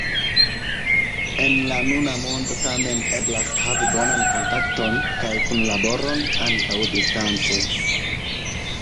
En la nuna mondo tamen eblas havi bonan kontakton kaj kunlaboron ankaŭ distance.